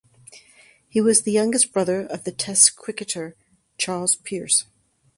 He was the youngest brother of the Test cricketer Charles Pearse.